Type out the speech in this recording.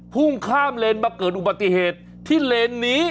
พุ่งข้ามเลนมาเกิดอุบัติเหตุที่เลนนี้